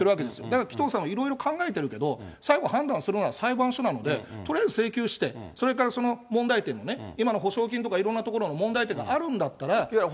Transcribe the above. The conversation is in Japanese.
だから紀藤さんもいろいろ考えてるけど、最後、判断するのは、裁判所なので、とりあえず請求して、それからその問題点のね、今の補償金とかいろんな問題点があるならば。